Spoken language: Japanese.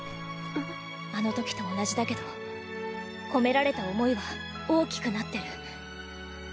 あの時と同じだけど込められた思いは大きくなってる。